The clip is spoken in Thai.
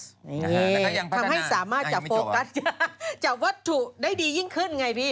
แต่ก็ยังทำให้สามารถจับโฟกัสจับวัตถุได้ดียิ่งขึ้นไงพี่